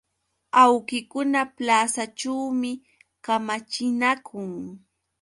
Awkikuna plasaćhuumi kamachinakun.